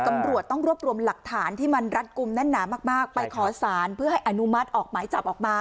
ตำรวจต้องรวบรวมหลักฐานที่มันรัดกลุ่มแน่นหนามากไปขอสารเพื่อให้อนุมัติออกหมายจับออกมา